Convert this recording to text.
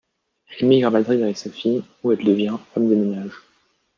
Elle émigre à Madrid avec sa fille, où elle devient femme de ménage.